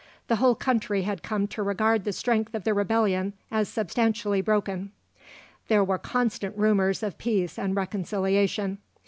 "The whole country had come to regard the strength of the rebellion as substantially broken." There were constant rumours of peace and reconciliation.